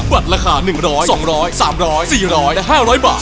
วัดราคา๑๐๐๒๐๐๓๐๐๔๐๐และ๕๐๐บาท